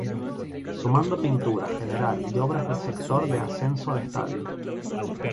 Sumado pintura general y obras en el sector de acceso al estadio.